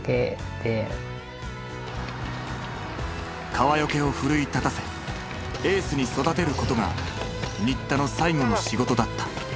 川除を奮い立たせエースに育てることが新田の最後の仕事だった。